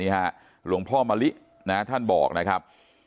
หลวงพ่อมะลินะท่านบอกนะครับ